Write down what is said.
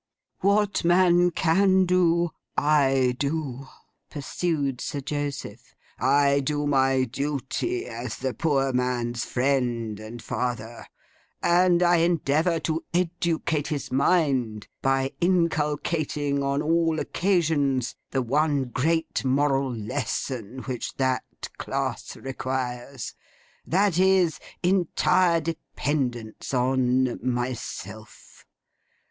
'What man can do, I do,' pursued Sir Joseph. 'I do my duty as the Poor Man's Friend and Father; and I endeavour to educate his mind, by inculcating on all occasions the one great moral lesson which that class requires. That is, entire Dependence on myself.